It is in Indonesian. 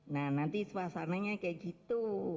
nah nanti suasananya kayak gitu